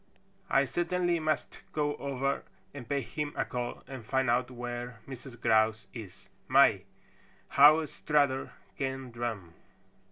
I certainly must go over and pay him a call and find out where Mrs. Grouse is. My, how Strutter can drum!"